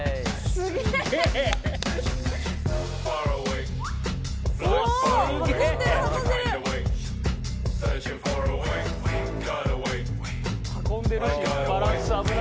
すげえな。